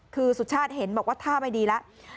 คือสุชาติเห็นบอกว่าท่าไม่ดีแล้ว